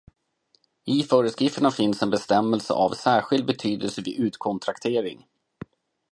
I föreskrifterna finns en bestämmelse av särskild betydelse vid utkontraktering.